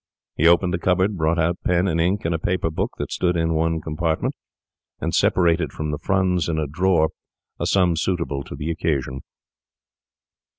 He opened the cupboard, brought out pen and ink and a paper book that stood in one compartment, and separated from the funds in a drawer a sum suitable to the occasion.